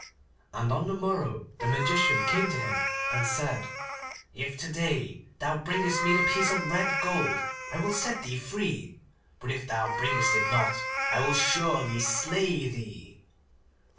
And on the morrow the Magician came to him, and said, 'If to day thou bringest me the piece of red gold I will set thee free, but if thou bringest it not I will surely slay thee.